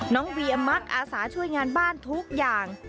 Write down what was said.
เวียมักอาสาช่วยงานบ้านทุกอย่าง